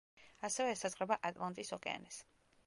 ასევე ესაზღვრება ატლანტის ოკეანე.